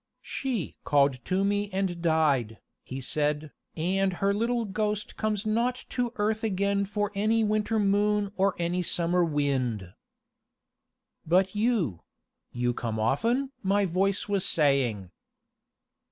"She called to me and died," he said, "and her little ghost comes not to earth again for any winter moon or any summer wind." "But you you come often?" my voice was saying.